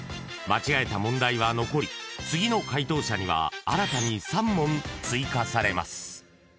［間違えた問題は残り次の解答者には新たに３問追加されます］